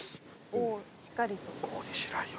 おぉしっかりと。